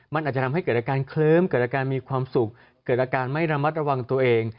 มันอาจจะทำให้เกิดอาการเคลิ้มเกิดอาการมีความสุขเกิดอาการไม่ระมัดระวังตัวเอง